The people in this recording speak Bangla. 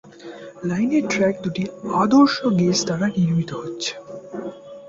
লাইনের ট্র্যাক দুটি আদর্শ গেজ দ্বারা নির্মিত হচ্ছে।